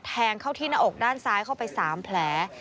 แทงเข้าที่หน้าอกด้านซ้ายเข้าไป๓แผล